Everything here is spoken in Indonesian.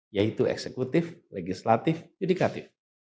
yaitu eksekutif legislatif yudikatif